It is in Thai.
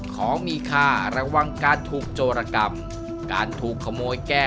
ของมีค่าระวังการถูกโจรกรรม